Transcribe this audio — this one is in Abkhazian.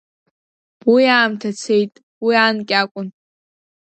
Уи аамҭа цеит, уи анкьакәын.